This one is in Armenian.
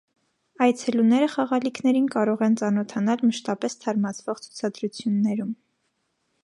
Այցելուները խաղալիքներին կարող են ծանոթանալ մշտապես թարմացվող ցուցադրություններում։